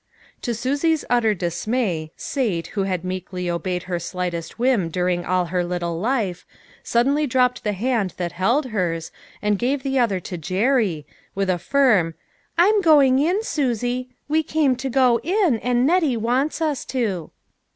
To Susie's utter dismay, Sate who had meekly obeyed her slightest whim during all her little life, suddenly dropped the hand that held hers, and gave the other to Jerry, with a firm :" I'm going in, Susie ; we came to go in, and Nettie wants us to."